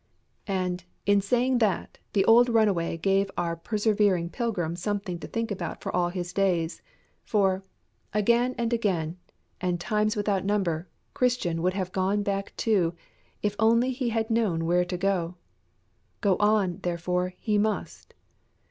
And, in saying that, the old runaway gave our persevering pilgrim something to think about for all his days. For, again and again, and times without number, Christian would have gone back too if only he had known where to go. Go on, therefore, he must.